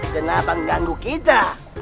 kenapa nganggu kita